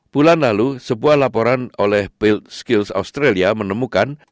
bulan lalu sebuah laporan oleh build skills australia menemukan